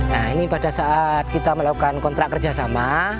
nah ini pada saat kita melakukan kontrak kerjasama